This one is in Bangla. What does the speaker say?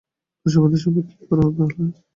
তুষারপাতের সময় কি করো তাহলে?